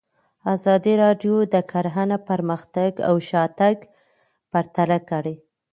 ازادي راډیو د کرهنه پرمختګ او شاتګ پرتله کړی.